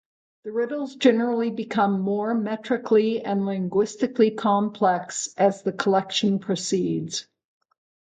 The riddles generally become more metrically and linguistically complex as the collection proceeds.